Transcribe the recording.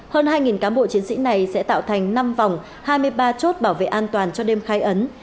hơn hai cán bộ chiến sĩ này sẽ tạo thành năm vòng hai mươi ba chốt bảo vệ an toàn cho đêm khai ấn